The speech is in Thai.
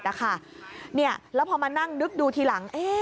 แล้วพอมานั่งนึกดูทีหลัง